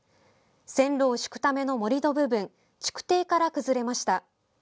線路を敷くための盛り土部分築堤から崩れました。